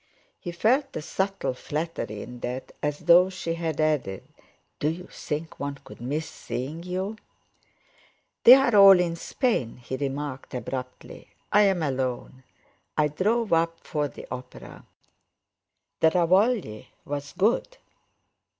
He felt a subtle flattery in that, as though she had added: "Do you think one could miss seeing you?" "They're all in Spain," he remarked abruptly. "I'm alone; I drove up for the opera. The Ravogli's good.